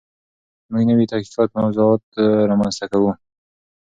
موږ نوي تحقیقاتي موضوعات رامنځته کوو.